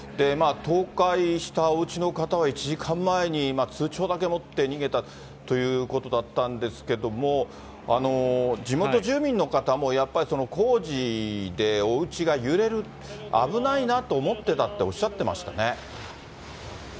倒壊したおうちの方は１時間前に通帳だけ持って逃げたということだったんですけども、地元住民の方も、やっぱり工事でおうちが揺れる、危ないなと思ってたっておっしゃってましたね。